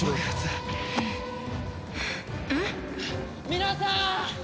皆さん！